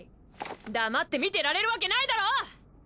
黙って見てられるワケないだろ！